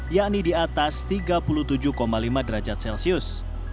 yakni di atas tiga puluh tujuh lima derajat celcius